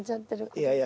いやいや。